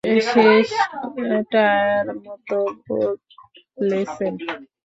শেষটায় মত বদলেছেন।